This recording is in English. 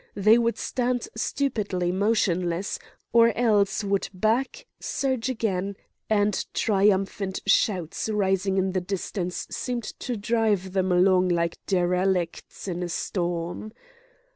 They would stand stupidly motionless, or else would back, surge again, and triumphant shouts rising in the distance seemed to drive them along like derelicts in a storm.